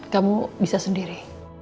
kamu bisa sendiri